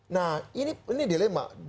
nah ini dilema